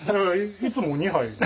いつも２杯。